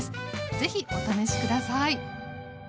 ぜひお試し下さい。